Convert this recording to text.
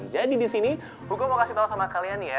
jadi disini gue mau kasih tau sama kalian ya